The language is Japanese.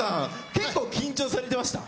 結構緊張されてました？